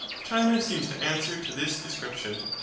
China seems to answer to this description.